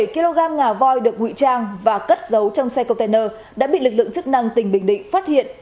một mươi bảy kg ngả voi được ngụy trang và cất giấu trong xe container đã bị lực lượng chức năng tỉnh bình định phát hiện